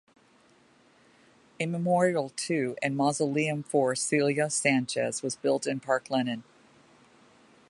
A memorial to and mausoleum for Celia Sanchez was built in Parque Lenin.